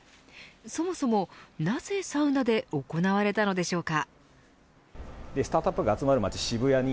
そもそも、なぜサウナで行われたのでしょうか。